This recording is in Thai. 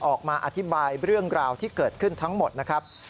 ออกมาอธิบายเรื่องราวที่เกิดขึ้นทั้งหมดนะครับ